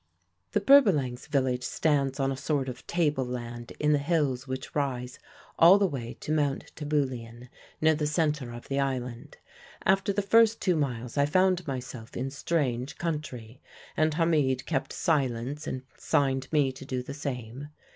"The Berbalangs' village stands on a sort of table land in the hills which rise all the way to Mount Tebulian, near the centre of the island. After the first two miles I found myself in strange country, and Hamid kept silence and signed to me to do the same.